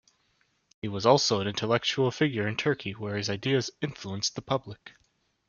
He was also an intellectual figure in Turkey where his ideas influenced the public.